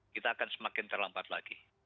kita akan semakin terlambat lagi